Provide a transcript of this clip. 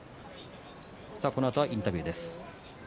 このあとはインタビューです。